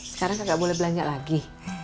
sekarang gak boleh belanja lagi